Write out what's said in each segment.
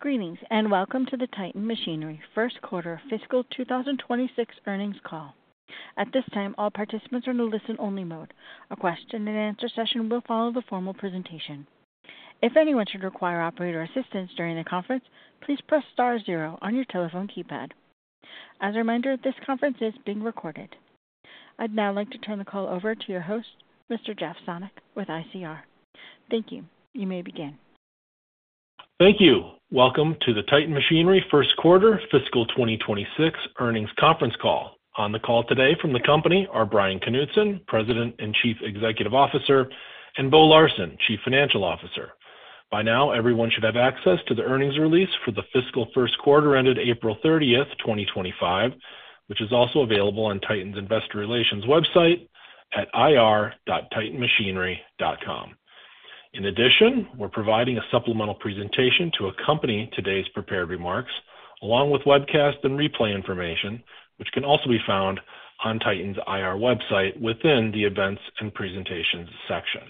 Greetings and welcome to the Titan Machinery first quarter of fiscal 2026 earnings call. At this time, all participants are in the listen-only mode. A question-and-answer session will follow the formal presentation. If anyone should require operator assistance during the conference, please press star zero on your telephone keypad. As a reminder, this conference is being recorded. I'd now like to turn the call over to your host, Mr. Jeff Sonnek, with ICR. Thank you. You may begin. Thank you. Welcome to the Titan Machinery first quarter fiscal 2026 earnings conference call. On the call today from the company are Bryan Knutson, President and Chief Executive Officer, and Bo Larsen, Chief Financial Officer. By now, everyone should have access to the earnings release for the fiscal first quarter ended April 30th, 2025, which is also available on Titan's investor relations website at ir.titanmachinery.com. In addition, we're providing a supplemental presentation to accompany today's prepared remarks, along with webcast and replay information, which can also be found on Titan's IR website within the events and presentations section.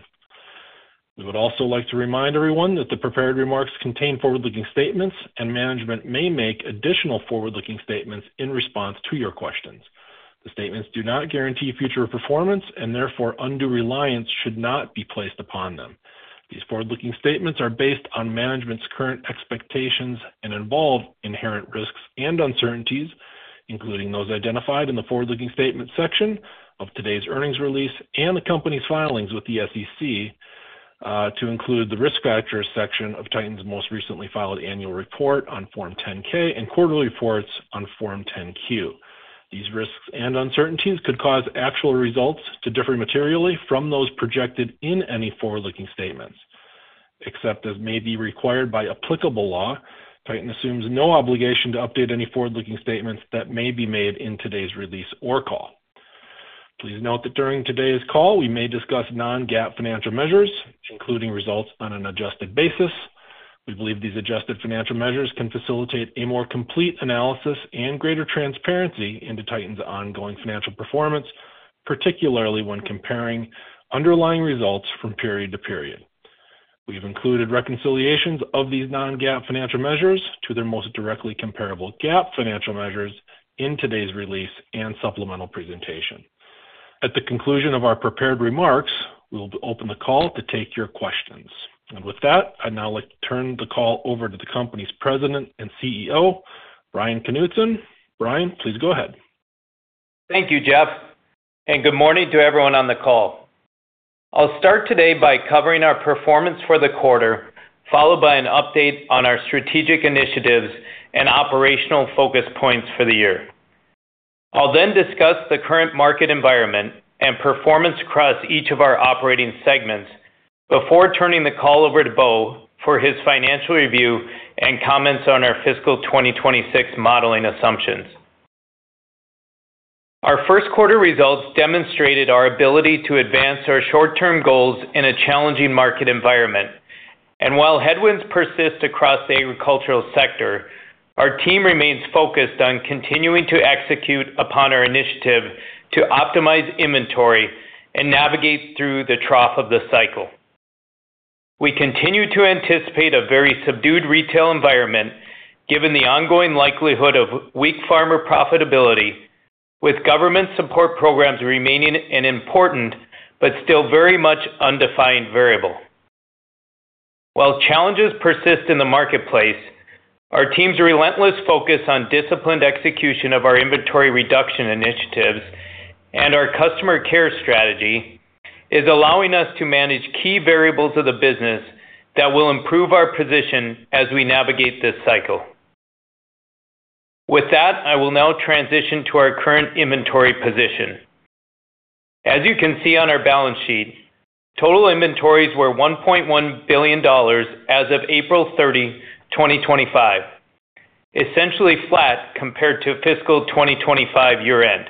We would also like to remind everyone that the prepared remarks contain forward-looking statements, and management may make additional forward-looking statements in response to your questions. The statements do not guarantee future performance, and therefore undue reliance should not be placed upon them. These forward-looking statements are based on management's current expectations and involve inherent risks and uncertainties, including those identified in the forward-looking statement section of today's earnings release and the company's filings with the SEC, to include the risk factors section of Titan's most recently filed annual report on Form 10-K and quarterly reports on Form 10-Q. These risks and uncertainties could cause actual results to differ materially from those projected in any forward-looking statements. Except as may be required by applicable law, Titan assumes no obligation to update any forward-looking statements that may be made in today's release or call. Please note that during today's call, we may discuss non-GAAP financial measures, including results on an adjusted basis. We believe these adjusted financial measures can facilitate a more complete analysis and greater transparency into Titan's ongoing financial performance, particularly when comparing underlying results from period to period. have included reconciliations of these non-GAAP financial measures to their most directly comparable GAAP financial measures in today's release and supplemental presentation. At the conclusion of our prepared remarks, we will open the call to take your questions. I would now like to turn the call over to the company's President and CEO, Bryan Knutson. Bryan, please go ahead. Thank you, Jeff. Good morning to everyone on the call. I'll start today by covering our performance for the quarter, followed by an update on our strategic initiatives and operational focus points for the year. I'll then discuss the current market environment and performance across each of our operating segments before turning the call over to Bo for his financial review and comments on our fiscal 2026 modeling assumptions. Our first quarter results demonstrated our ability to advance our short-term goals in a challenging market environment. While headwinds persist across the agricultural sector, our team remains focused on continuing to execute upon our initiative to optimize inventory and navigate through the trough of the cycle. We continue to anticipate a very subdued retail environment, given the ongoing likelihood of weak farmer profitability, with government support programs remaining an important but still very much undefined variable. While challenges persist in the marketplace, our team's relentless focus on disciplined execution of our inventory reduction initiatives and our customer care strategy is allowing us to manage key variables of the business that will improve our position as we navigate this cycle. With that, I will now transition to our current inventory position. As you can see on our balance sheet, total inventories were $1.1 billion as of April 30, 2025, essentially flat compared to fiscal 2025 year-end.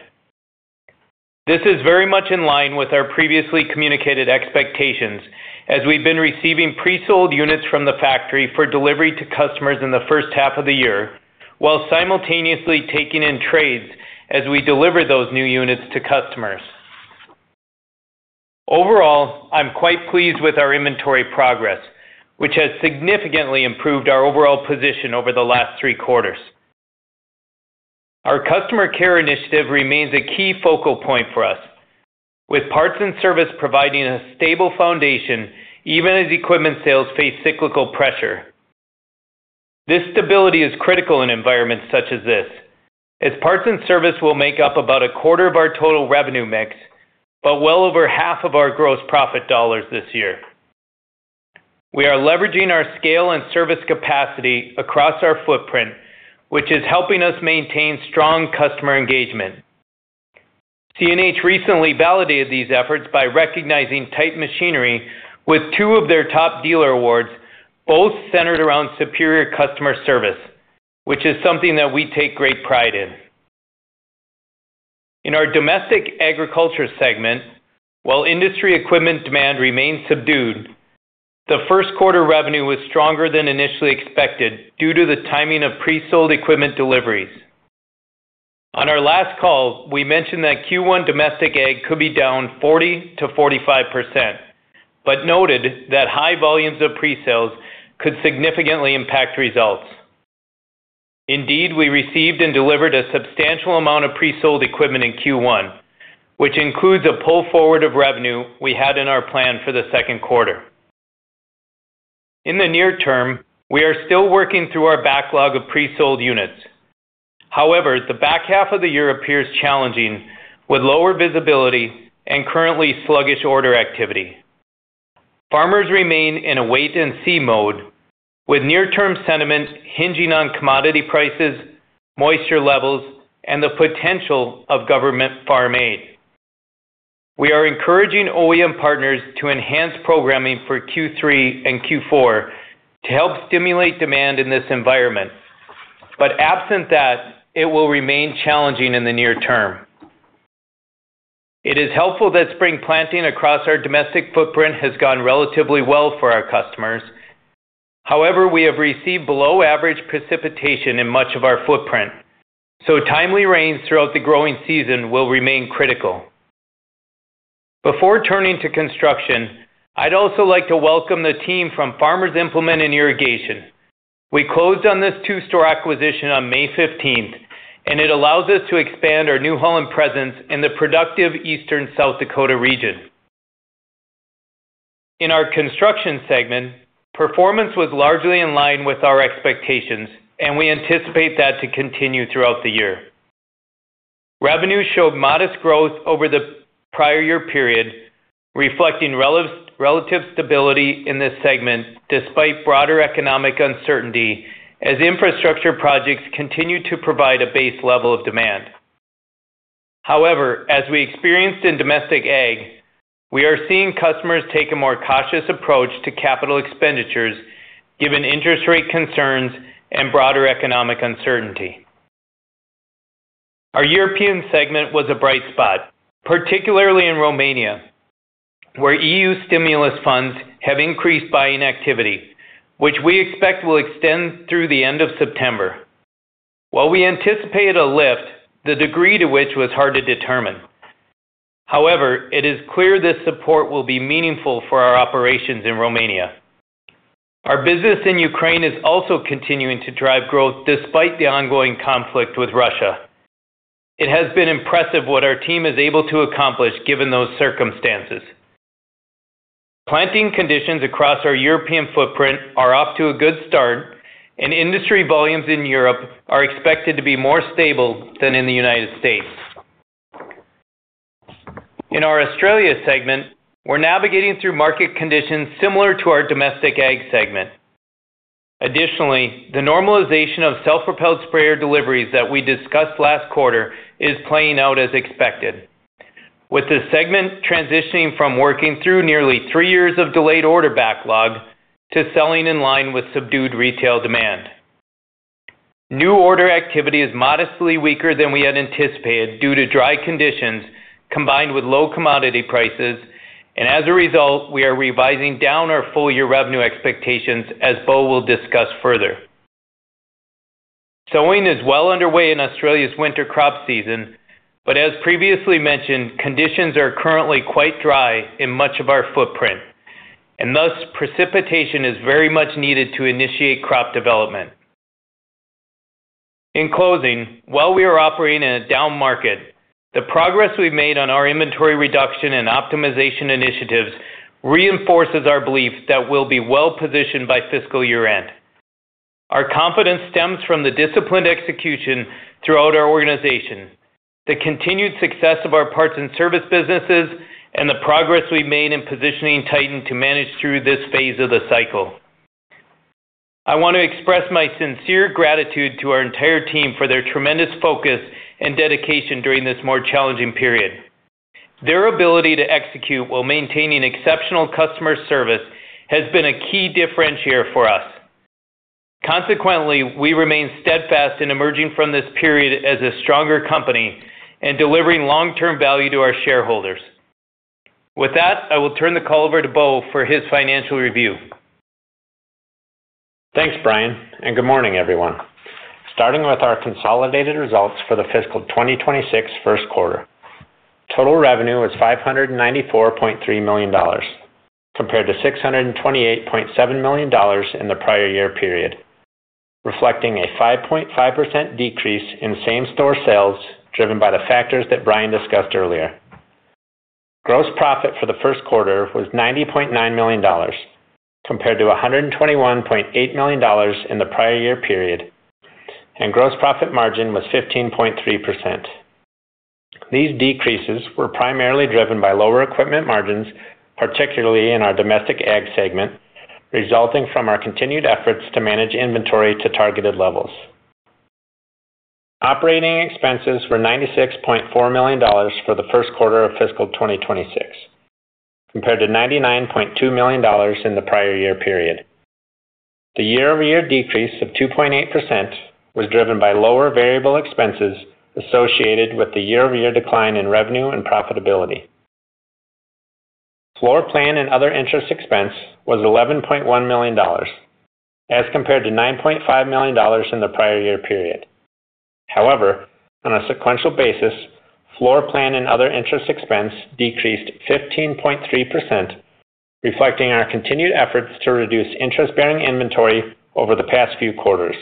This is very much in line with our previously communicated expectations as we've been receiving pre-sold units from the factory for delivery to customers in the first half of the year, while simultaneously taking in trades as we deliver those new units to customers. Overall, I'm quite pleased with our inventory progress, which has significantly improved our overall position over the last three quarters. Our customer care initiative remains a key focal point for us, with parts and service providing a stable foundation even as equipment sales face cyclical pressure. This stability is critical in environments such as this, as parts and service will make up about a quarter of our total revenue mix, but well over half of our gross profit dollars this year. We are leveraging our scale and service capacity across our footprint, which is helping us maintain strong customer engagement. CNH recently validated these efforts by recognizing Titan Machinery with two of their top dealer awards, both centered around superior customer service, which is something that we take great pride in. In our domestic agriculture segment, while industry equipment demand remained subdued, the first quarter revenue was stronger than initially expected due to the timing of pre-sold equipment deliveries. On our last call, we mentioned that Q1 domestic ag could be down 40-45%, but noted that high volumes of pre-sales could significantly impact results. Indeed, we received and delivered a substantial amount of pre-sold equipment in Q1, which includes a pull forward of revenue we had in our plan for the second quarter. In the near term, we are still working through our backlog of pre-sold units. However, the back half of the year appears challenging with lower visibility and currently sluggish order activity. Farmers remain in a wait-and-see mode, with near-term sentiment hinging on commodity prices, moisture levels, and the potential of government farm aid. We are encouraging OEM partners to enhance programming for Q3 and Q4 to help stimulate demand in this environment, but absent that, it will remain challenging in the near term. It is helpful that spring planting across our domestic footprint has gone relatively well for our customers. However, we have received below-average precipitation in much of our footprint, so timely rains throughout the growing season will remain critical. Before turning to construction, I'd also like to welcome the team from Farmers Implementing Irrigation. We closed on this two-store acquisition on May 15th, and it allows us to expand our New Holland presence in the productive eastern South Dakota region. In our construction segment, performance was largely in line with our expectations, and we anticipate that to continue throughout the year. Revenues showed modest growth over the prior year period, reflecting relative stability in this segment despite broader economic uncertainty as infrastructure projects continue to provide a base level of demand. However, as we experienced in domestic ag, we are seeing customers take a more cautious approach to capital expenditures given interest rate concerns and broader economic uncertainty. Our European segment was a bright spot, particularly in Romania, where EU stimulus funds have increased buying activity, which we expect will extend through the end of September. While we anticipate a lift, the degree to which was hard to determine. However, it is clear this support will be meaningful for our operations in Romania. Our business in Ukraine is also continuing to drive growth despite the ongoing conflict with Russia. It has been impressive what our team is able to accomplish given those circumstances. Planting conditions across our European footprint are off to a good start, and industry volumes in Europe are expected to be more stable than in the United States. In our Australia segment, we're navigating through market conditions similar to our domestic ag segment. Additionally, the normalization of self-propelled sprayer deliveries that we discussed last quarter is playing out as expected, with the segment transitioning from working through nearly three years of delayed order backlog to selling in line with subdued retail demand. New order activity is modestly weaker than we had anticipated due to dry conditions combined with low commodity prices, and as a result, we are revising down our full-year revenue expectations as Bo will discuss further. Sowing is well underway in Australia's winter crop season, but as previously mentioned, conditions are currently quite dry in much of our footprint, and thus precipitation is very much needed to initiate crop development. In closing, while we are operating in a down market, the progress we've made on our inventory reduction and optimization initiatives reinforces our belief that we'll be well positioned by fiscal year-end. Our confidence stems from the disciplined execution throughout our organization, the continued success of our parts and service businesses, and the progress we've made in positioning Titan to manage through this phase of the cycle. I want to express my sincere gratitude to our entire team for their tremendous focus and dedication during this more challenging period. Their ability to execute while maintaining exceptional customer service has been a key differentiator for us. Consequently, we remain steadfast in emerging from this period as a stronger company and delivering long-term value to our shareholders. With that, I will turn the call over to Bo for his financial review. Thanks, Bryan, and good morning, everyone. Starting with our consolidated results for the fiscal 2026 first quarter, total revenue was $594.3 million compared to $628.7 million in the prior year period, reflecting a 5.5% decrease in same-store sales driven by the factors that Bryan discussed earlier. Gross profit for the first quarter was $90.9 million compared to $121.8 million in the prior year period, and gross profit margin was 15.3%. These decreases were primarily driven by lower equipment margins, particularly in our domestic ag segment, resulting from our continued efforts to manage inventory to targeted levels. Operating expenses were $96.4 million for the first quarter of fiscal 2026 compared to $99.2 million in the prior year period. The year-over-year decrease of 2.8% was driven by lower variable expenses associated with the year-over-year decline in revenue and profitability. Floor plan and other interest expense was $11.1 million as compared to $9.5 million in the prior year period. However, on a sequential basis, floor plan and other interest expense decreased 15.3%, reflecting our continued efforts to reduce interest-bearing inventory over the past few quarters.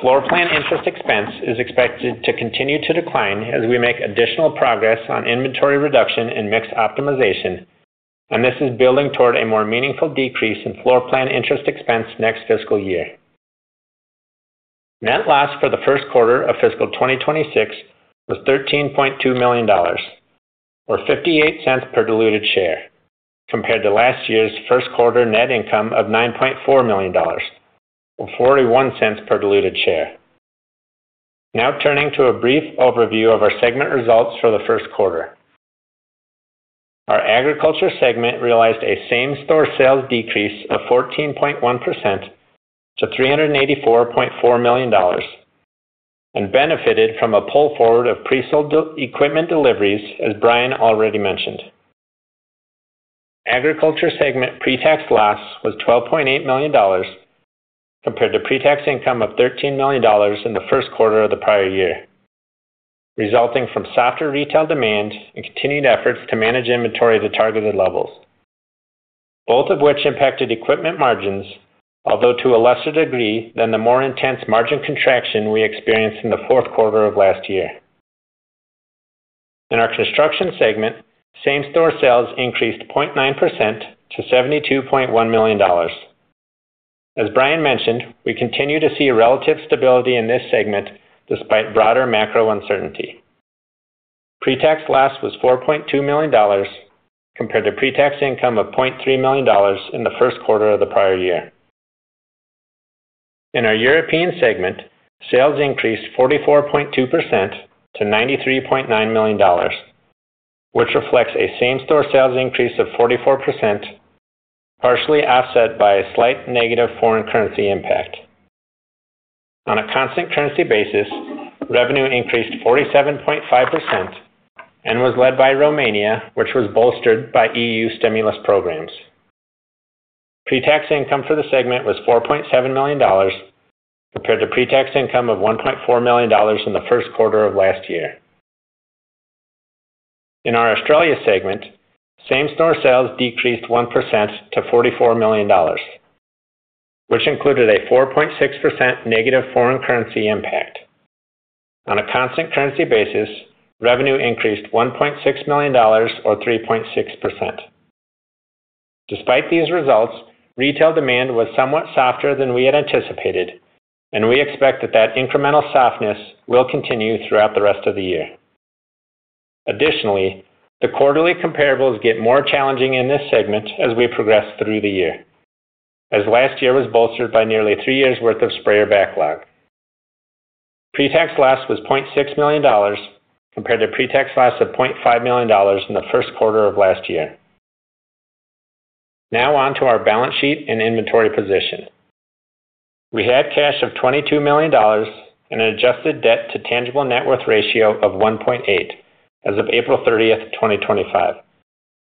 Floor plan interest expense is expected to continue to decline as we make additional progress on inventory reduction and mix optimization, and this is building toward a more meaningful decrease in floor plan interest expense next fiscal year. Net loss for the first quarter of fiscal 2026 was $13.2 million, or $0.58 per diluted share, compared to last year's first quarter net income of $9.4 million, or $0.41 per diluted share. Now turning to a brief overview of our segment results for the first quarter, our agriculture segment realized a same-store sales decrease of 14.1% to $384.4 million and benefited from a pull forward of pre-sold equipment deliveries, as Bryan already mentioned. Agriculture segment pre-tax loss was $12.8 million compared to pre-tax income of $13 million in the first quarter of the prior year, resulting from softer retail demand and continued efforts to manage inventory to targeted levels, both of which impacted equipment margins, although to a lesser degree than the more intense margin contraction we experienced in the fourth quarter of last year. In our construction segment, same-store sales increased 0.9% to $72.1 million. As Bryan mentioned, we continue to see relative stability in this segment despite broader macro uncertainty. Pre-tax loss was $4.2 million compared to pre-tax income of $0.3 million in the first quarter of the prior year. In our European segment, sales increased 44.2% to $93.9 million, which reflects a same-store sales increase of 44%, partially offset by a slight negative foreign currency impact. On a constant currency basis, revenue increased 47.5% and was led by Romania, which was bolstered by EU stimulus programs. Pre-tax income for the segment was $4.7 million compared to pre-tax income of $1.4 million in the first quarter of last year. In our Australia segment, same-store sales decreased 1% to $44 million, which included a 4.6% negative foreign currency impact. On a constant currency basis, revenue increased $1.6 million, or 3.6%. Despite these results, retail demand was somewhat softer than we had anticipated, and we expect that incremental softness will continue throughout the rest of the year. Additionally, the quarterly comparables get more challenging in this segment as we progress through the year, as last year was bolstered by nearly three years' worth of sprayer backlog. Pre-tax loss was $0.6 million compared to pre-tax loss of $0.5 million in the first quarter of last year. Now on to our balance sheet and inventory position. We had cash of $22 million and an adjusted debt-to-tangible net worth ratio of 1.8 as of April 30th, 2025,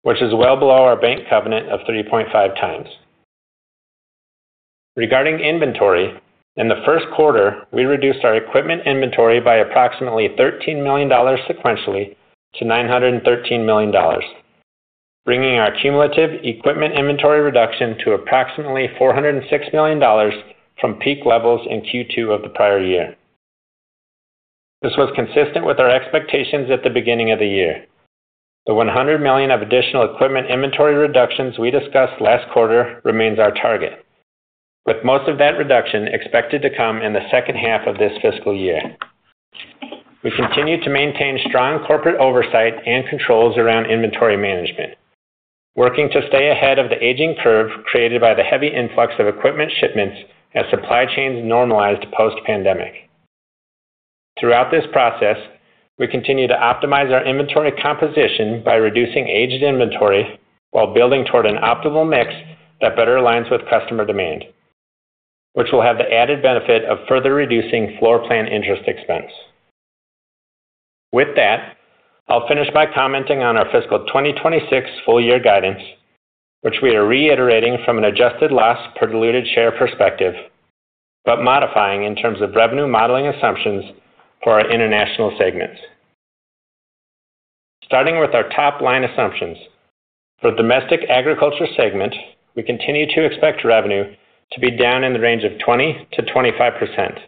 which is well below our bank covenant of 3.5 times. Regarding inventory, in the first quarter, we reduced our equipment inventory by approximately $13 million sequentially to $913 million, bringing our cumulative equipment inventory reduction to approximately $406 million from peak levels in Q2 of the prior year. This was consistent with our expectations at the beginning of the year. The $100 million of additional equipment inventory reductions we discussed last quarter remains our target, with most of that reduction expected to come in the second half of this fiscal year. We continue to maintain strong corporate oversight and controls around inventory management, working to stay ahead of the aging curve created by the heavy influx of equipment shipments as supply chains normalized post-pandemic. Throughout this process, we continue to optimize our inventory composition by reducing aged inventory while building toward an optimal mix that better aligns with customer demand, which will have the added benefit of further reducing floor plan interest expense. With that, I'll finish by commenting on our fiscal 2026 full-year guidance, which we are reiterating from an adjusted loss per diluted share perspective but modifying in terms of revenue modeling assumptions for our international segments. Starting with our top line assumptions, for the domestic agriculture segment, we continue to expect revenue to be down in the range of 20%-25%.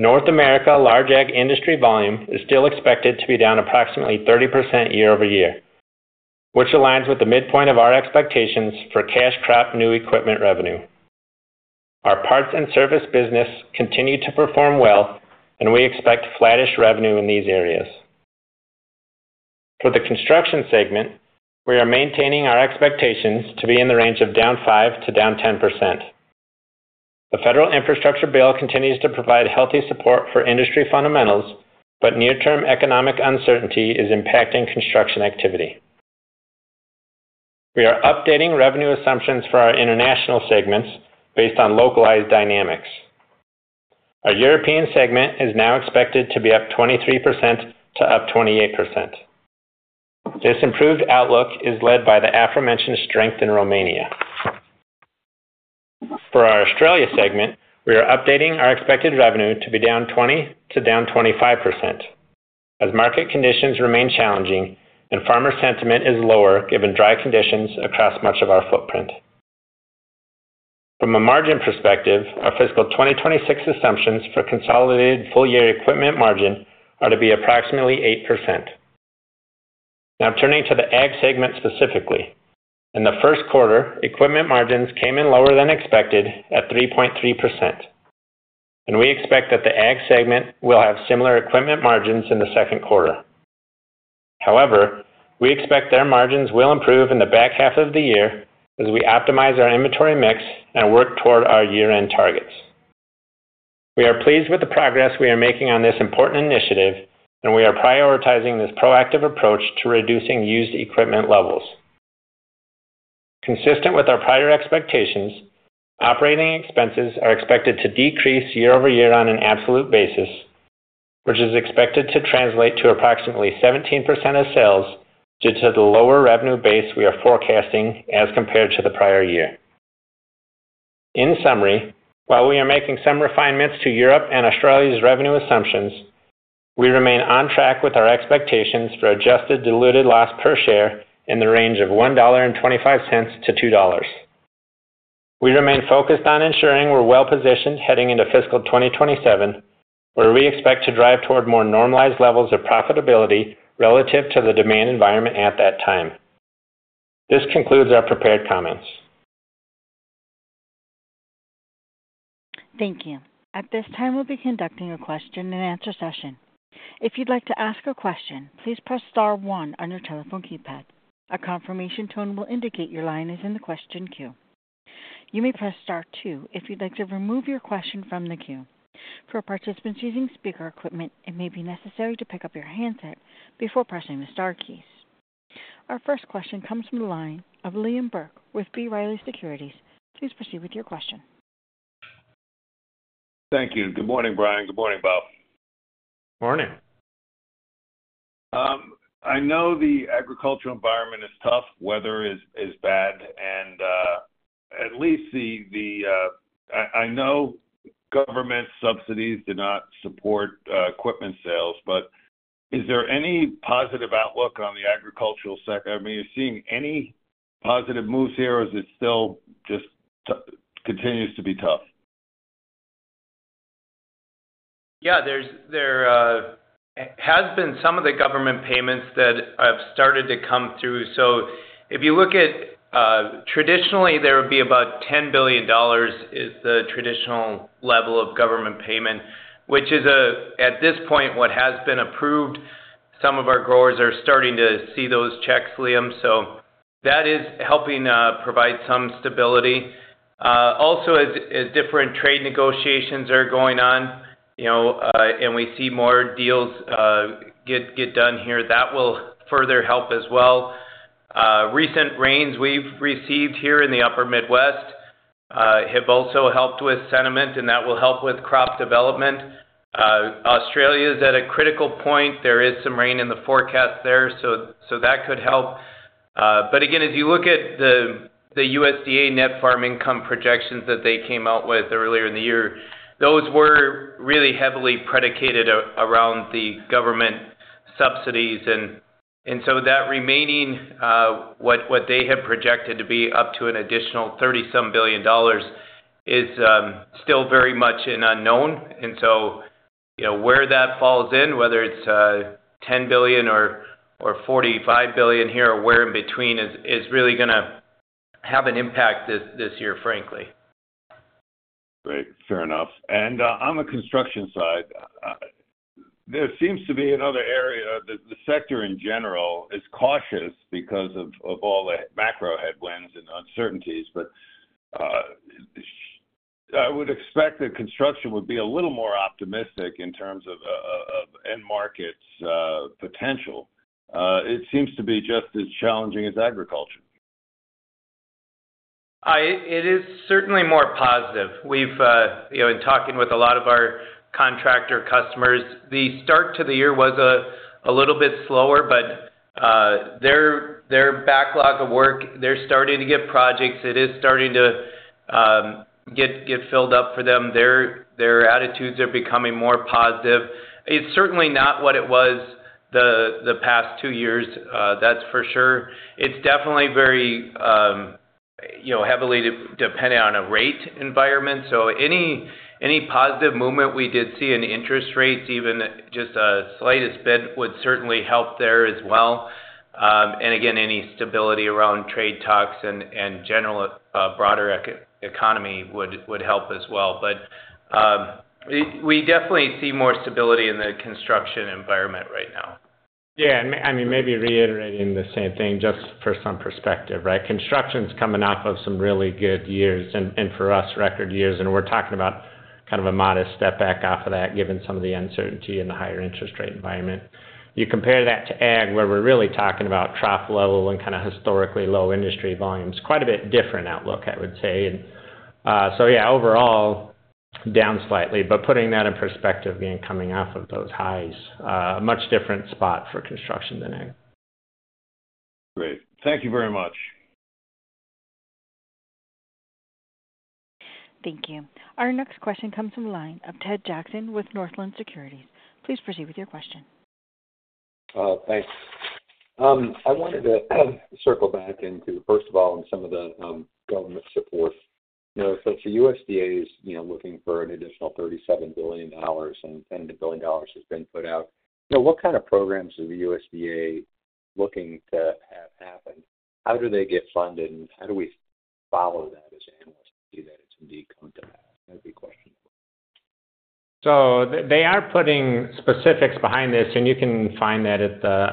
North America large ag industry volume is still expected to be down approximately 30% year-over-year, which aligns with the midpoint of our expectations for cash crop new equipment revenue. Our parts and service business continues to perform well, and we expect flattish revenue in these areas. For the construction segment, we are maintaining our expectations to be in the range of down 5% to down 10%. The federal infrastructure bill continues to provide healthy support for industry fundamentals, but near-term economic uncertainty is impacting construction activity. We are updating revenue assumptions for our international segments based on localized dynamics. Our European segment is now expected to be up 23%-28%. This improved outlook is led by the aforementioned strength in Romania. For our Australia segment, we are updating our expected revenue to be down 20%-25% as market conditions remain challenging and farmer sentiment is lower given dry conditions across much of our footprint. From a margin perspective, our fiscal 2026 assumptions for consolidated full-year equipment margin are to be approximately 8%. Now turning to the ag segment specifically, in the first quarter, equipment margins came in lower than expected at 3.3%, and we expect that the ag segment will have similar equipment margins in the second quarter. However, we expect their margins will improve in the back half of the year as we optimize our inventory mix and work toward our year-end targets. We are pleased with the progress we are making on this important initiative, and we are prioritizing this proactive approach to reducing used equipment levels. Consistent with our prior expectations, operating expenses are expected to decrease year-over-year on an absolute basis, which is expected to translate to approximately 17% of sales due to the lower revenue base we are forecasting as compared to the prior year. In summary, while we are making some refinements to Europe and Australia's revenue assumptions, we remain on track with our expectations for adjusted diluted loss per share in the range of $1.25-$2.00. We remain focused on ensuring we're well positioned heading into fiscal 2027, where we expect to drive toward more normalized levels of profitability relative to the demand environment at that time. This concludes our prepared comments. Thank you. At this time, we'll be conducting a question-and-answer session. If you'd like to ask a question, please press Star one on your telephone keypad. A confirmation tone will indicate your line is in the question queue. You may press Star two if you'd like to remove your question from the queue. For participants using speaker equipment, it may be necessary to pick up your handset before pressing the Star keys. Our first question comes from the line of Liam Burke with B. Riley Securities. Please proceed with your question. Thank you. Good morning, Bryan. Good morning, Bo. Morning. I know the agricultural environment is tough. Weather is bad. At least the—I know government subsidies do not support equipment sales, but is there any positive outlook on the agricultural sector? I mean, are you seeing any positive moves here, or is it still just continues to be tough? Yeah, there has been some of the government payments that have started to come through. If you look at—traditionally, there would be about $10 billion is the traditional level of government payment, which is, at this point, what has been approved. Some of our growers are starting to see those checks, Liam. That is helping provide some stability. Also, as different trade negotiations are going on and we see more deals get done here, that will further help as well. Recent rains we have received here in the Upper Midwest have also helped with sentiment, and that will help with crop development. Australia is at a critical point. There is some rain in the forecast there, so that could help. Again, as you look at the USDA net farm income projections that they came out with earlier in the year, those were really heavily predicated around the government subsidies. That remaining, what they have projected to be up to an additional $30-some billion, is still very much an unknown. Where that falls in, whether it's $10 billion or $45 billion here or where in between, is really going to have an impact this year, frankly. Right. Fair enough. On the construction side, there seems to be another area—the sector in general is cautious because of all the macro headwinds and uncertainties. I would expect that construction would be a little more optimistic in terms of end market potential. It seems to be just as challenging as agriculture. It is certainly more positive. In talking with a lot of our contractor customers, the start to the year was a little bit slower, but their backlog of work, they're starting to get projects. It is starting to get filled up for them. Their attitudes are becoming more positive. It's certainly not what it was the past two years, that's for sure. It's definitely very heavily dependent on a rate environment. Any positive movement we did see in interest rates, even just the slightest bit, would certainly help there as well. Again, any stability around trade talks and general broader economy would help as well. We definitely see more stability in the construction environment right now. Yeah. I mean, maybe reiterating the same thing just for some perspective, right? Construction's coming off of some really good years and, for us, record years. We're talking about kind of a modest step back off of that, given some of the uncertainty in the higher interest rate environment. You compare that to ag, where we're really talking about trough level and kind of historically low industry volumes, quite a bit different outlook, I would say. Overall, down slightly, but putting that in perspective again, coming off of those highs, a much different spot for construction than ag. Great. Thank you very much. Thank you. Our next question comes from the line of Ted Jackson with Northland Securities. Please proceed with your question. Thanks. I wanted to circle back into, first of all, some of the government support. The USDA is looking for an additional $37 billion, and $10 billion has been put out. What kind of programs is the USDA looking to have happen? How do they get funded? How do we follow that as analysts to see that it has indeed come to pass? That would be questionable. They are putting specifics behind this, and you can find that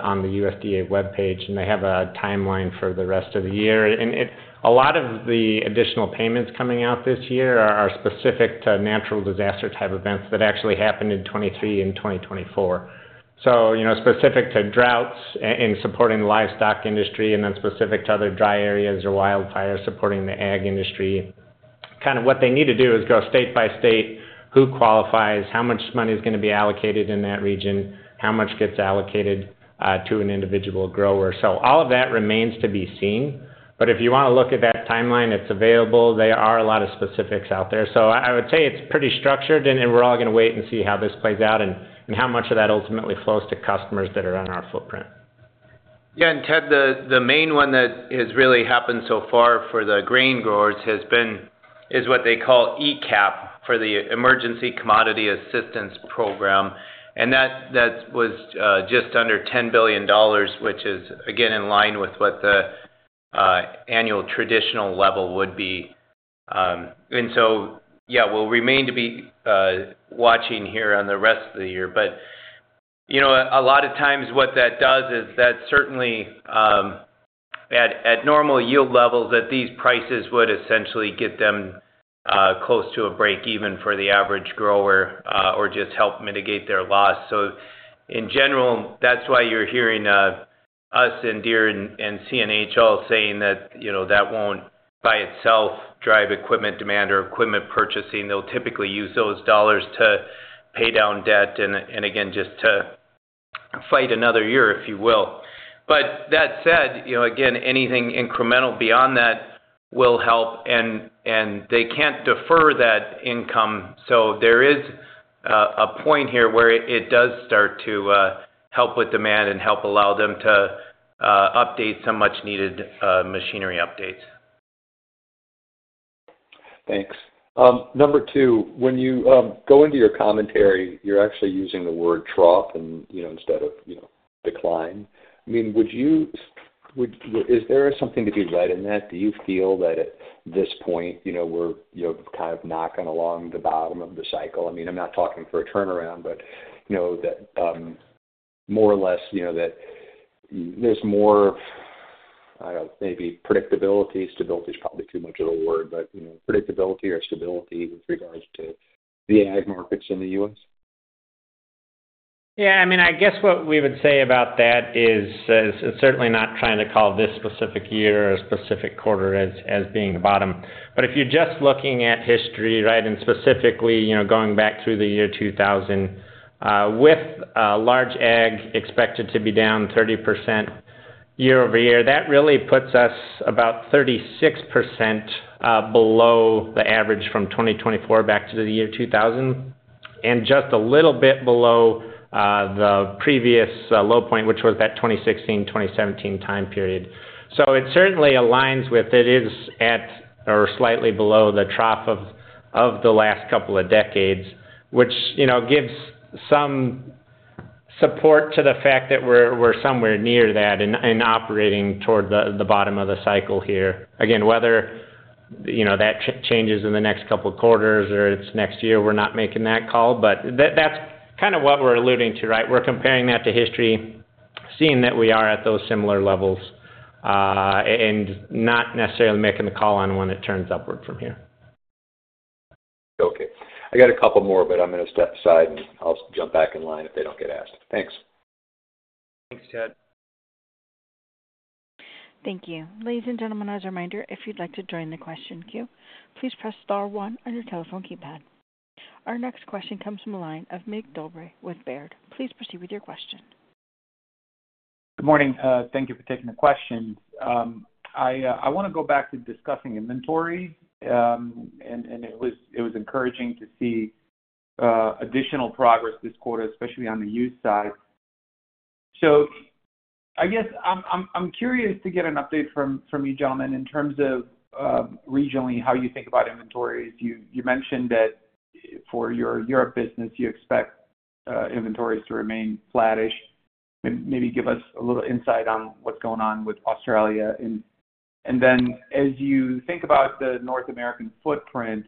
on the USDA webpage, and they have a timeline for the rest of the year. A lot of the additional payments coming out this year are specific to natural disaster-type events that actually happened in 2023 and 2024. Specific to droughts in supporting the livestock industry, and then specific to other dry areas or wildfires supporting the ag industry. Kind of what they need to do is go state by state: who qualifies, how much money is going to be allocated in that region, how much gets allocated to an individual grower. All of that remains to be seen. If you want to look at that timeline, it is available. There are a lot of specifics out there. I would say it's pretty structured, and we're all going to wait and see how this plays out and how much of that ultimately flows to customers that are on our footprint. Yeah. Ted, the main one that has really happened so far for the grain growers is what they call ECAP, for the Emergency Commodity Assistance Program. That was just under $10 billion, which is, again, in line with what the annual traditional level would be. Yeah, we'll remain to be watching here on the rest of the year. A lot of times, what that does is that certainly, at normal yield levels, at these prices, would essentially get them close to a break-even for the average grower or just help mitigate their loss. In general, that's why you're hearing us and Deere and CNH all saying that that won't by itself drive equipment demand or equipment purchasing. They'll typically use those dollars to pay down debt and, again, just to fight another year, if you will. That said, again, anything incremental beyond that will help. They can't defer that income. There is a point here where it does start to help with demand and help allow them to update some much-needed machinery updates. Thanks. Number two, when you go into your commentary, you're actually using the word trough instead of decline. I mean, is there something to be read in that? Do you feel that at this point, we're kind of knocking along the bottom of the cycle? I mean, I'm not talking for a turnaround, but more or less that there's more of, I don't know, maybe predictability. Stability is probably too much of a word, but predictability or stability with regards to the ag markets in the U.S.? Yeah. I mean, I guess what we would say about that is certainly not trying to call this specific year or specific quarter as being the bottom. But if you're just looking at history, right, and specifically going back through the year 2000, with large ag expected to be down 30% year over year, that really puts us about 36% below the average from 2024 back to the year 2000 and just a little bit below the previous low point, which was that 2016, 2017 time period. It certainly aligns with it is at or slightly below the trough of the last couple of decades, which gives some support to the fact that we're somewhere near that and operating toward the bottom of the cycle here. Again, whether that changes in the next couple of quarters or it's next year, we're not making that call. That's kind of what we're alluding to, right? We're comparing that to history, seeing that we are at those similar levels and not necessarily making the call on when it turns upward from here. Okay. I got a couple more, but I'm going to step aside, and I'll jump back in line if they don't get asked. Thanks. Thanks, Ted. Thank you. Ladies and gentlemen, as a reminder, if you'd like to join the question queue, please press Star 1 on your telephone keypad. Our next question comes from the line of Mig Dobre with Baird. Please proceed with your question. Good morning. Thank you for taking the question. I want to go back to discussing inventory, and it was encouraging to see additional progress this quarter, especially on the use side. I guess I'm curious to get an update from you gentlemen in terms of regionally how you think about inventories. You mentioned that for your Europe business, you expect inventories to remain flattish. Maybe give us a little insight on what's going on with Australia. As you think about the North American footprint,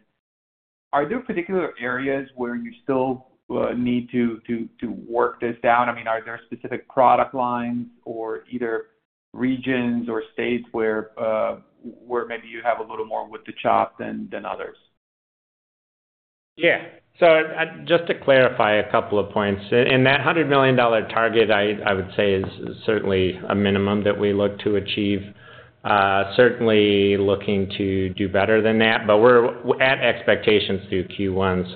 are there particular areas where you still need to work this down? I mean, are there specific product lines or either regions or states where maybe you have a little more with the chop than others? Yeah. Just to clarify a couple of points. That $100 million target, I would say, is certainly a minimum that we look to achieve. Certainly looking to do better than that, but we're at expectations through Q1.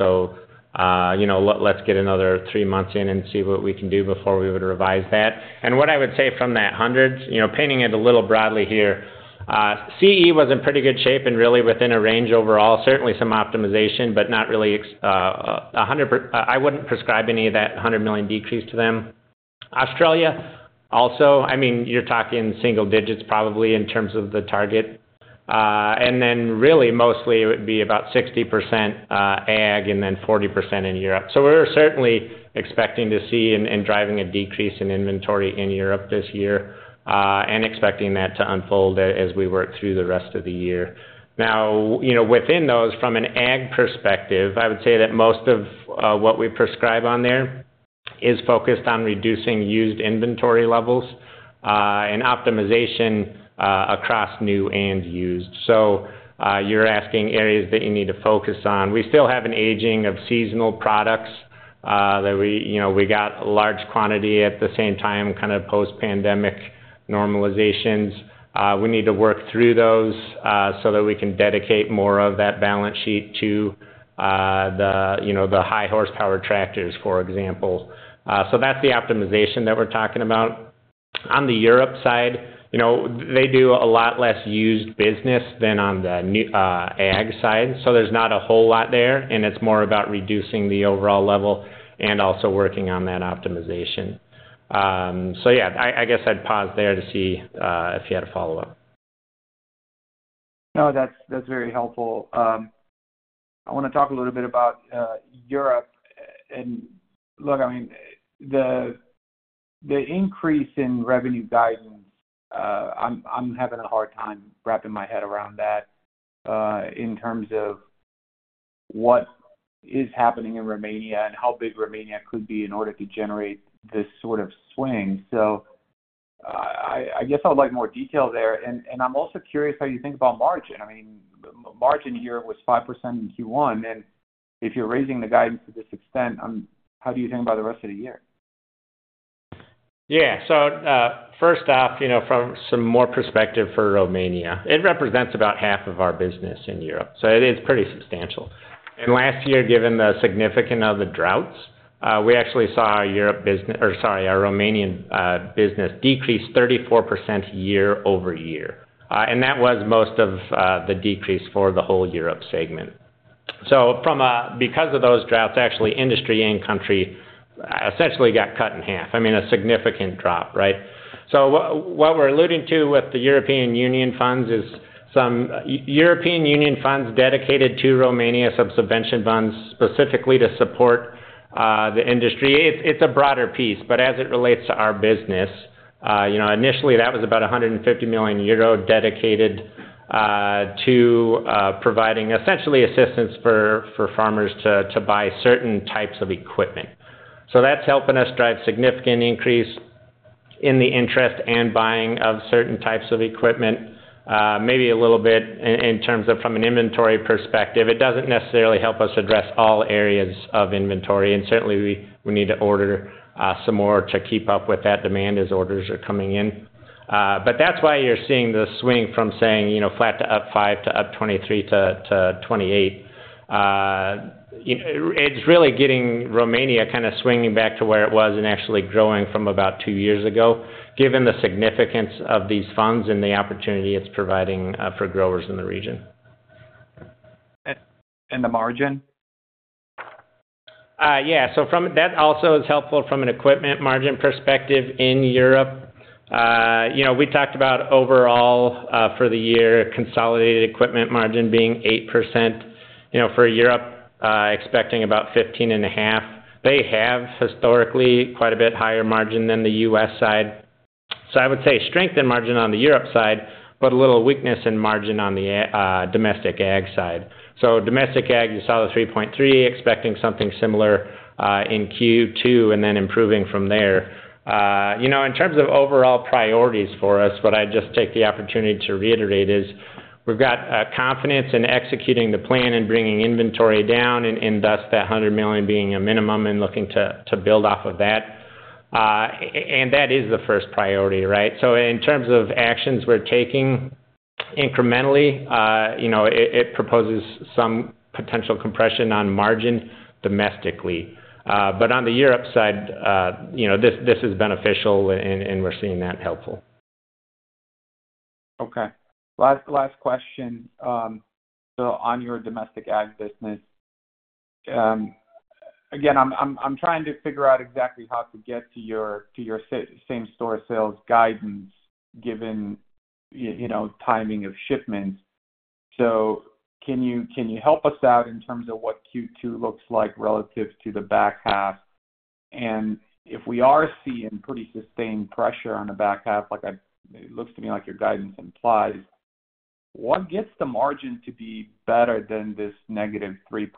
Let's get another three months in and see what we can do before we would revise that. What I would say from that $100 million, painting it a little broadly here, CE was in pretty good shape and really within a range overall. Certainly some optimization, but not really 100%. I wouldn't prescribe any of that $100 million decrease to them. Australia also, I mean, you're talking single digits probably in terms of the target. Then really mostly it would be about 60% ag and 40% in Europe. We're certainly expecting to see and driving a decrease in inventory in Europe this year and expecting that to unfold as we work through the rest of the year. Now, within those, from an ag perspective, I would say that most of what we prescribe on there is focused on reducing used inventory levels and optimization across new and used. You're asking areas that you need to focus on. We still have an aging of seasonal products that we got a large quantity at the same time, kind of post-pandemic normalizations. We need to work through those so that we can dedicate more of that balance sheet to the high-horsepower tractors, for example. That's the optimization that we're talking about. On the Europe side, they do a lot less used business than on the ag side. There's not a whole lot there, and it's more about reducing the overall level and also working on that optimization. Yeah, I guess I'd pause there to see if you had a follow-up. No, that's very helpful. I want to talk a little bit about Europe. I mean, the increase in revenue guidance, I'm having a hard time wrapping my head around that in terms of what is happening in Romania and how big Romania could be in order to generate this sort of swing. I guess I would like more detail there. I'm also curious how you think about margin. I mean, margin here was 5% in Q1. If you're raising the guidance to this extent, how do you think about the rest of the year? Yeah. So first off, from some more perspective for Romania, it represents about half of our business in Europe. So it is pretty substantial. Last year, given the significance of the droughts, we actually saw our Europe business, or sorry, our Romanian business, decrease 34% year over year. That was most of the decrease for the whole Europe segment. Because of those droughts, actually, industry and country essentially got cut in half. I mean, a significant drop, right? What we are alluding to with the European Union funds is some European Union funds dedicated to Romania, some subvention funds specifically to support the industry. It is a broader piece. As it relates to our business, initially, that was about 150 million euro dedicated to providing essentially assistance for farmers to buy certain types of equipment. That's helping us drive significant increase in the interest and buying of certain types of equipment, maybe a little bit in terms of from an inventory perspective. It does not necessarily help us address all areas of inventory. Certainly, we need to order some more to keep up with that demand as orders are coming in. That is why you are seeing the swing from saying flat to up 5% to up 23%-28%. It is really getting Romania kind of swinging back to where it was and actually growing from about two years ago, given the significance of these funds and the opportunity it is providing for growers in the region. The margin? Yeah. So that also is helpful from an equipment margin perspective in Europe. We talked about overall for the year, consolidated equipment margin being 8% for Europe, expecting about 15.5%. They have historically quite a bit higher margin than the U.S. side. I would say strength in margin on the Europe side, but a little weakness in margin on the domestic ag side. Domestic ag, you saw the 3.3%, expecting something similar in Q2 and then improving from there. In terms of overall priorities for us, what I'd just take the opportunity to reiterate is we've got confidence in executing the plan and bringing inventory down, and thus that $100 million being a minimum and looking to build off of that. That is the first priority, right? In terms of actions we're taking incrementally, it proposes some potential compression on margin domestically. On the Europe side, this is beneficial, and we're seeing that helpful. Okay. Last question. On your domestic ag business, again, I am trying to figure out exactly how to get to your same-store sales guidance given timing of shipments. Can you help us out in terms of what Q2 looks like relative to the back half? If we are seeing pretty sustained pressure on the back half, it looks to me like your guidance implies, what gets the margin to be better than this negative 3%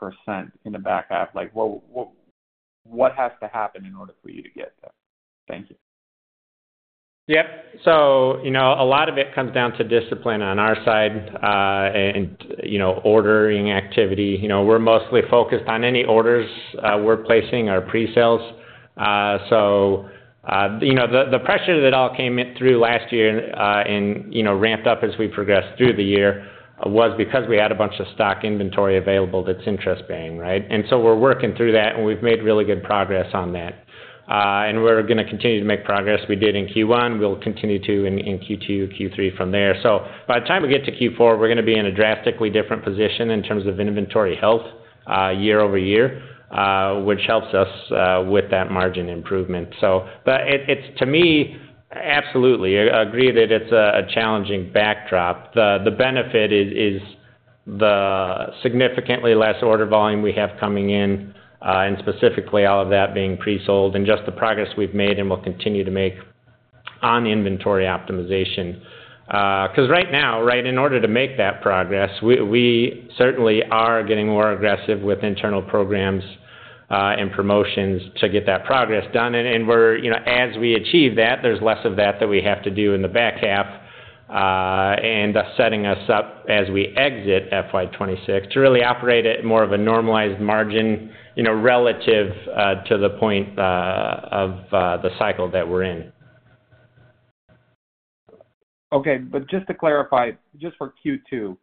in the back half? What has to happen in order for you to get there? Thank you. Yep. A lot of it comes down to discipline on our side and ordering activity. We're mostly focused on any orders we're placing or pre-sales. The pressure that all came through last year and ramped up as we progressed through the year was because we had a bunch of stock inventory available that's interest-bearing, right? We're working through that, and we've made really good progress on that. We're going to continue to make progress. We did in Q1. We'll continue to in Q2, Q3 from there. By the time we get to Q4, we're going to be in a drastically different position in terms of inventory health year-over-year, which helps us with that margin improvement. To me, absolutely agree that it's a challenging backdrop. The benefit is the significantly less order volume we have coming in and specifically all of that being pre-sold and just the progress we have made and will continue to make on inventory optimization. Because right now, right, in order to make that progress, we certainly are getting more aggressive with internal programs and promotions to get that progress done. As we achieve that, there is less of that that we have to do in the back half and setting us up as we exit FY 2026 to really operate at more of a normalized margin relative to the point of the cycle that we are in. Okay. Just to clarify, just for Q2,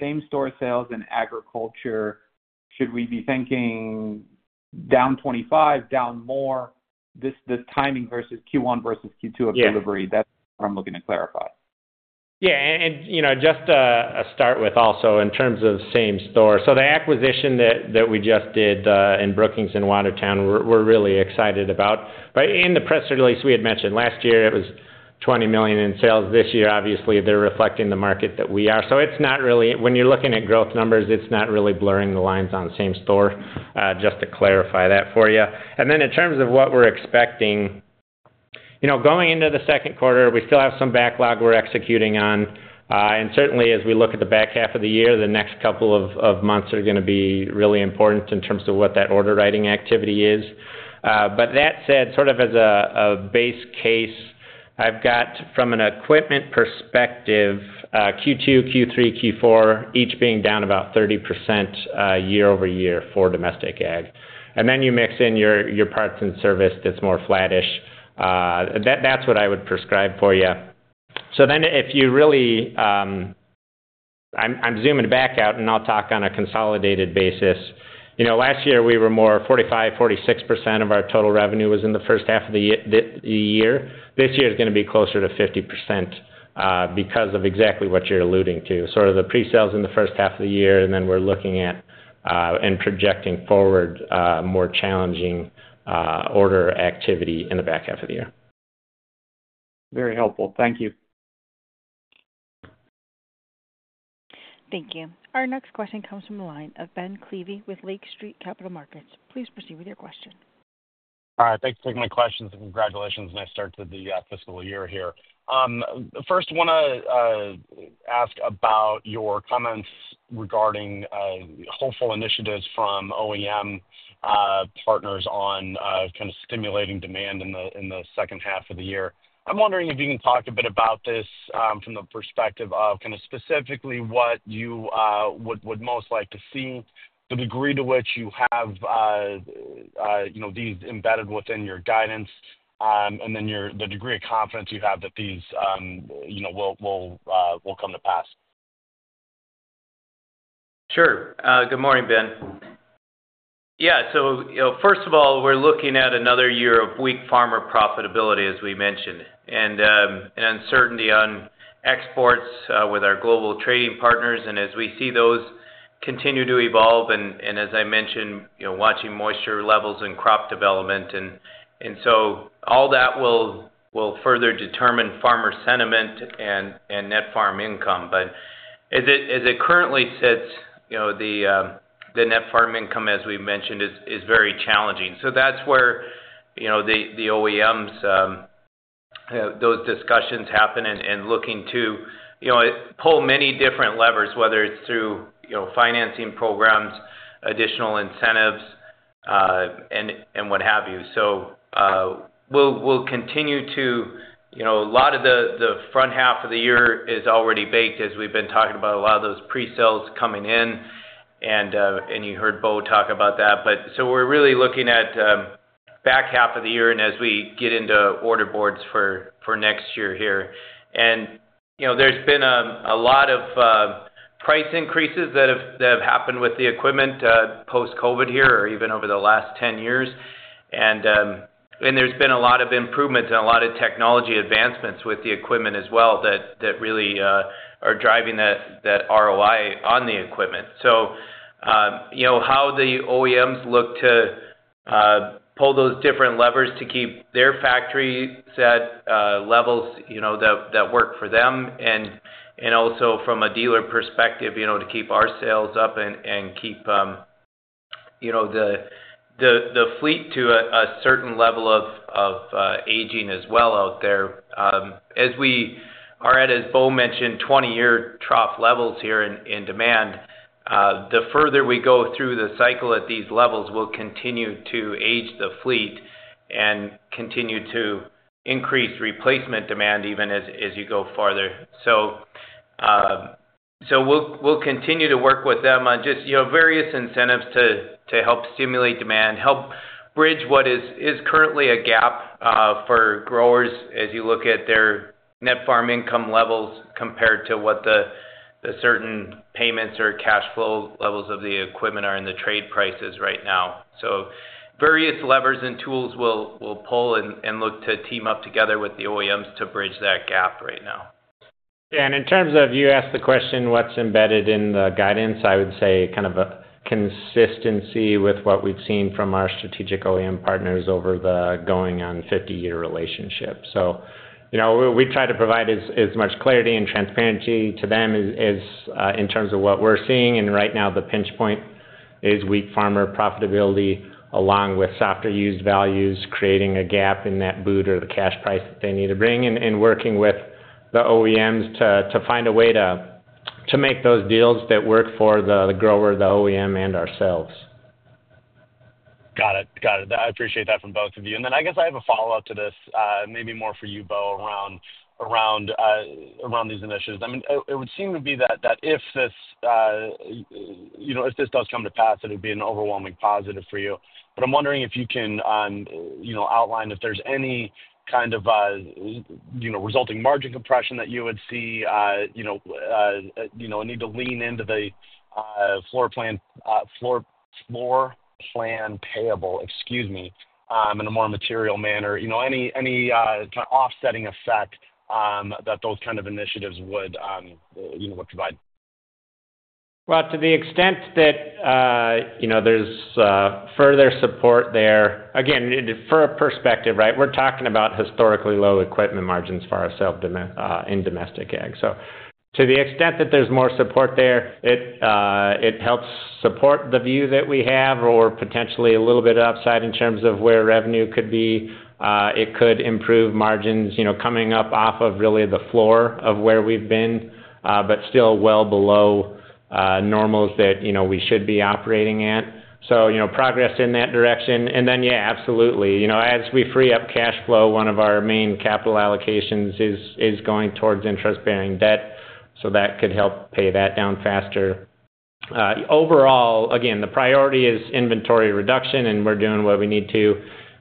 same-store sales in agriculture, should we be thinking down 25%, down more? The timing versus Q1 versus Q2 of delivery, that's what I'm looking to clarify. Yeah. Just to start with also in terms of same-store, the acquisition that we just did in Brookings and Watertown, we're really excited about. In the press release, we had mentioned last year it was $20 million in sales. This year, obviously, they're reflecting the market that we are. When you're looking at growth numbers, it's not really blurring the lines on same-store, just to clarify that for you. In terms of what we're expecting, going into the second quarter, we still have some backlog we're executing on. Certainly, as we look at the back half of the year, the next couple of months are going to be really important in terms of what that order writing activity is. That said, sort of as a base case, I've got from an equipment perspective, Q2, Q3, Q4, each being down about 30% year over year for domestic ag. You mix in your parts and service that's more flattish. That's what I would prescribe for you. If you really, I'm zooming back out, and I'll talk on a consolidated basis. Last year, we were more 45%-46% of our total revenue was in the first half of the year. This year is going to be closer to 50% because of exactly what you're alluding to, sort of the pre-sales in the first half of the year, and then we're looking at and projecting forward more challenging order activity in the back half of the year. Very helpful. Thank you. Thank you. Our next question comes from the line of Ben Klieve with Lake Street Capital Markets. Please proceed with your question. All right. Thanks for taking my questions and congratulations, nice start to the fiscal year here. First, I want to ask about your comments regarding hopeful initiatives from OEM partners on kind of stimulating demand in the second half of the year. I'm wondering if you can talk a bit about this from the perspective of kind of specifically what you would most like to see, the degree to which you have these embedded within your guidance, and then the degree of confidence you have that these will come to pass. Sure. Good morning, Ben. Yeah. First of all, we're looking at another year of weak farmer profitability, as we mentioned, and uncertainty on exports with our global trading partners. As we see those continue to evolve and, as I mentioned, watching moisture levels and crop development. All that will further determine farmer sentiment and net farm income. As it currently sits, the net farm income, as we've mentioned, is very challenging. That is where the OEMs, those discussions happen and looking to pull many different levers, whether it's through financing programs, additional incentives, and what have you. We'll continue to a lot of the front half of the year is already baked, as we've been talking about a lot of those pre-sales coming in. You heard Bo talk about that. We're really looking at back half of the year and as we get into order boards for next year here. There's been a lot of price increases that have happened with the equipment post-COVID here or even over the last 10 years. There's been a lot of improvements and a lot of technology advancements with the equipment as well that really are driving that ROI on the equipment. How the OEMs look to pull those different levers to keep their factories at levels that work for them and also from a dealer perspective to keep our sales up and keep the fleet to a certain level of aging as well out there. As we are at, as Bo mentioned, 20-year trough levels here in demand, the further we go through the cycle at these levels, we will continue to age the fleet and continue to increase replacement demand even as you go farther. We will continue to work with them on just various incentives to help stimulate demand, help bridge what is currently a gap for growers as you look at their net farm income levels compared to what the certain payments or cash flow levels of the equipment are in the trade prices right now. Various levers and tools we will pull and look to team up together with the OEMs to bridge that gap right now. Yeah. In terms of you asked the question, what's embedded in the guidance, I would say kind of a consistency with what we've seen from our strategic OEM partners over the going on 50-year relationship. We try to provide as much clarity and transparency to them in terms of what we're seeing. Right now, the pinch point is weak farmer profitability along with softer used values creating a gap in that boot or the cash price that they need to bring and working with the OEMs to find a way to make those deals that work for the grower, the OEM, and ourselves. Got it. Got it. I appreciate that from both of you. I guess I have a follow-up to this, maybe more for you, Bo, around these initiatives. I mean, it would seem to be that if this does come to pass, it would be an overwhelming positive for you. I am wondering if you can outline if there is any kind of resulting margin compression that you would see, a need to lean into the floor plan payable, excuse me, in a more material manner, any kind of offsetting effect that those kind of initiatives would provide. To the extent that there is further support there, again, for a perspective, right, we are talking about historically low equipment margins for ourselves in domestic ag. To the extent that there is more support there, it helps support the view that we have or potentially a little bit upside in terms of where revenue could be. It could improve margins coming up off of really the floor of where we have been, but still well below normals that we should be operating at. Progress in that direction. Yeah, absolutely. As we free up cash flow, one of our main capital allocations is going towards interest-bearing debt. That could help pay that down faster. Overall, again, the priority is inventory reduction, and we are doing what we need to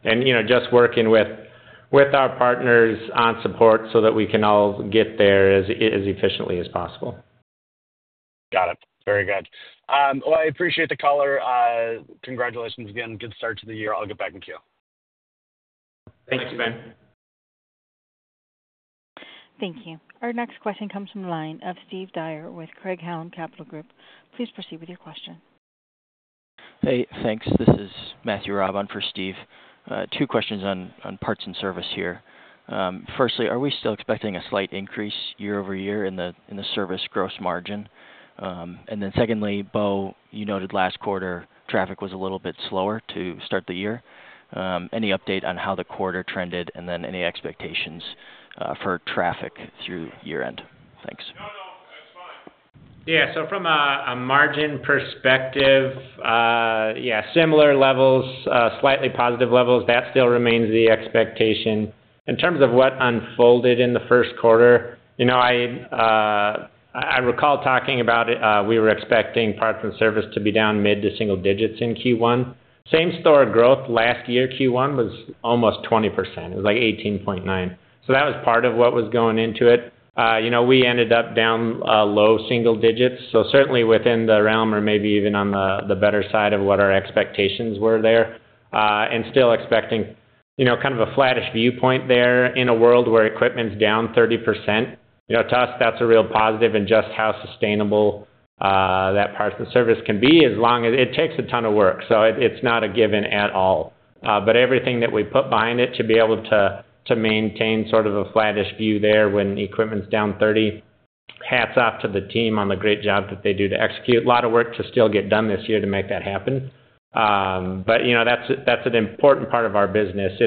and just working with our partners on support so that we can all get there as efficiently as possible. Got it. Very good. I appreciate the caller. Congratulations again. Good start to the year. I'll get back with you. Thank you, Ben. Thank you. Our next question comes from the line of Steve Dyer with Craig-Hallum Capital Group. Please proceed with your question. Hey, thanks. This is Matthew Raab for Steve. Two questions on parts and service here. Firstly, are we still expecting a slight increase year over year in the service gross margin? And then secondly, Bo, you noted last quarter traffic was a little bit slower to start the year. Any update on how the quarter trended and then any expectations for traffic through year-end? Thanks. No, no. That's fine. Yeah. So from a margin perspective, yeah, similar levels, slightly positive levels. That still remains the expectation. In terms of what unfolded in the first quarter, I recall talking about we were expecting parts and service to be down mid to single digits in Q1. Same-store growth last year, Q1 was almost 20%. It was like 18.9%. So that was part of what was going into it. We ended up down low single digits. So certainly within the realm or maybe even on the better side of what our expectations were there and still expecting kind of a flattish viewpoint there in a world where equipment's down 30%. To us, that's a real positive in just how sustainable that parts and service can be as long as it takes a ton of work. So it's not a given at all. Everything that we put behind it to be able to maintain sort of a flattish view there when equipment's down 30%, hats off to the team on the great job that they do to execute. A lot of work to still get done this year to make that happen. That's an important part of our business.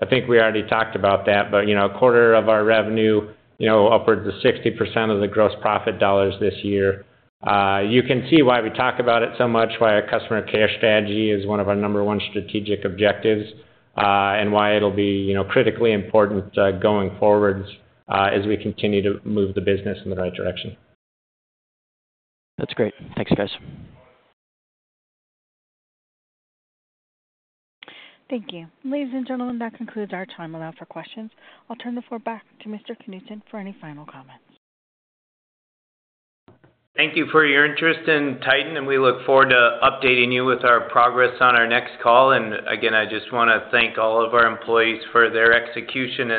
I think we already talked about that, but a quarter of our revenue, upwards of 60% of the gross profit dollars this year. You can see why we talk about it so much, why our customer care strategy is one of our number one strategic objectives, and why it'll be critically important going forwards as we continue to move the business in the right direction. That's great. Thanks, guys. Thank you. Ladies and gentlemen, that concludes our time allowed for questions. I'll turn the floor back to Mr. Knutson for any final comments. Thank you for your interest in Titan, and we look forward to updating you with our progress on our next call. I just want to thank all of our employees for their execution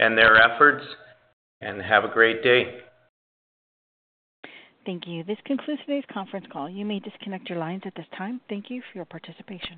and their efforts. Have a great day. Thank you. This concludes today's conference call. You may disconnect your lines at this time. Thank you for your participation.